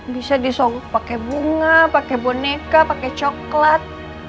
bisa disogok pake bunga pake boneka pake coklat